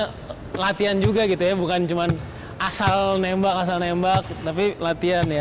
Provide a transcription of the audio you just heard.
sebenarnya latihan juga gitu ya bukan cuma asal nembak asal nembak tapi latihan ya